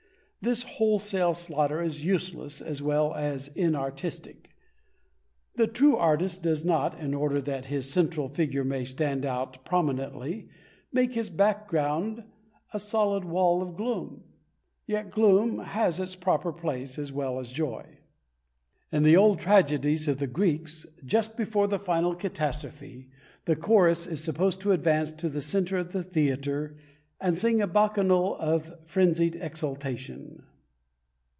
This wholesale slaughter is useless as well as inartistic. The true artist does not, in order that his central figure may stand out prominently, make his background a solid wall of gloom. Yet gloom has its proper place, as well as joy. In the old tragedies of the Greeks, just before the final catastrophe, the chorus is supposed to advance to the centre of the theatre and sing a bacchanal of frensied exultation.